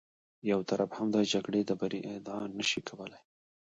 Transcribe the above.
یو طرف هم د جګړې د بري ادعا نه شي کولی.